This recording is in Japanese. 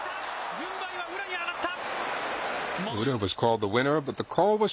軍配は宇良に上がった。